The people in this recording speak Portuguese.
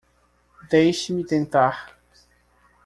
Deixe-me tentar!